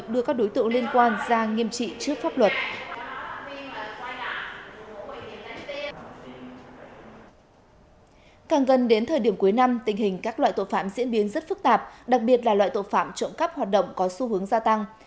điểm cuối năm tình hình các loại tội phạm diễn biến rất phức tạp đặc biệt là loại tội phạm trộm cắp hoạt động có xu hướng gia tăng